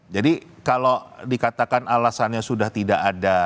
jadi kalau dikatakan alasannya sudah tidak terlindungi